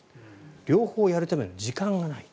両方やるための時間がない。